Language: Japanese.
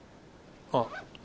あっ。